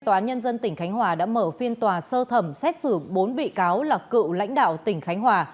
tòa án nhân dân tỉnh khánh hòa đã mở phiên tòa sơ thẩm xét xử bốn bị cáo là cựu lãnh đạo tỉnh khánh hòa